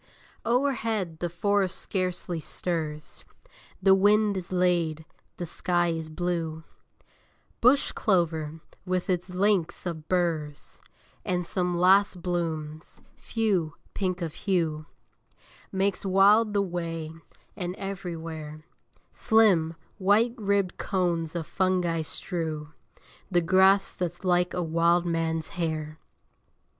O'erhead the forest scarcely stirs: The wind is laid: the sky is blue: Bush clover, with its links of burrs, And some last blooms, few, pink of hue, Makes wild the way: and everywhere Slim, white ribbed cones of fungi strew The grass that's like a wildman's hair.